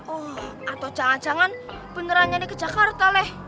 oh atau jangan jangan benerannya ini ke jakarta leh